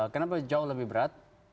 kenapa jauh lebih berat